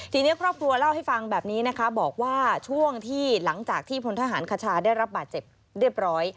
ทีนี้ครอบครัวเล่าให้ฟังแบบนี้นะคะบอกว่าช่วงที่หลังจากที่พลทหารคชาได้รับบาดเจ็บเรียบร้อย